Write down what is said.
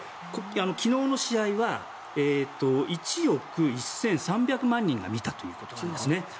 昨日の試合は１億１３００万人が見たということです。